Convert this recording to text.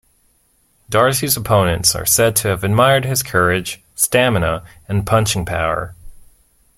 Darcy's opponents are said to have admired his courage, stamina, and punching power.